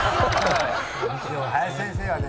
林先生はね